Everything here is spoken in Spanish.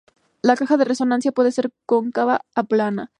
La caja de resonancia puede ser cóncava o plana.